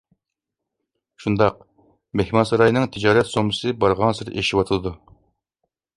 شۇنداق، مېھمانساراينىڭ تىجارەت سوممىسى بارغانسېرى ئېشىۋاتىدۇ.